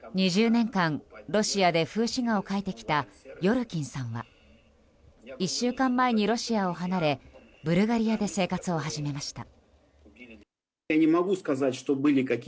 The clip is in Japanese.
２０年間、ロシアで風刺画を描いてきたヨルキンさんは１週間前にロシアを離れブルガリアで生活を始めました。